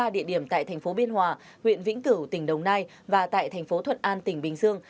ba địa điểm tại tp biên hòa huyện vĩnh cửu tỉnh đồng nai và tại tp thuận an tỉnh bình dương